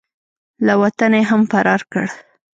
له وطنه یې هم فرار کړ.